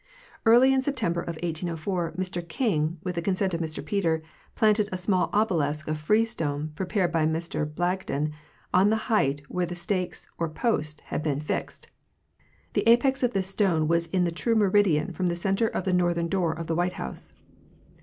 Early in September of 1804 Mr King, with the consent of Mr Peter, "planted a small obelisk of freestone, prepared by Mr Blagden, on the height where the stakes (or posts) had been fixed." The apex of this stone was in the true meridian from the center of the northern door of the White House.